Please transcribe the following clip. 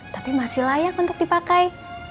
tapi masih layak untuk dipakai